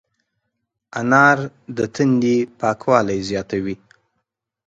انار د تندي پاکوالی زیاتوي.